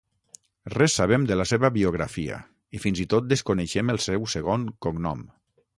Res sabem de la seva biografia i fins i tot desconeixem el seu segon cognom.